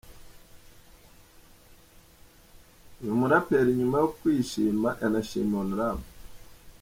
Uyu muraperi nyuma yo kwishima yanashimiye Hon.